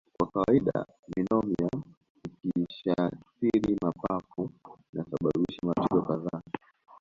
Kwa kawaida nimonia ikishaathiri mapafu inasababisha matatizo kadhaa